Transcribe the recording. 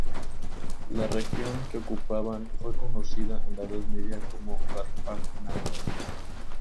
La región que ocupaban fue conocida en la Edad Media como Garfagnana.